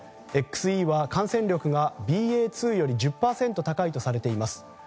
ＸＥは感染力がＢＡ．２より１０％高いとされています。